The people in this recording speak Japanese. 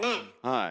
はい。